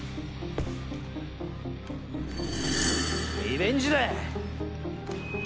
リベンジだ。